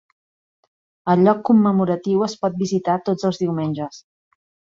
El lloc commemoratiu es pot visitar tots els diumenges.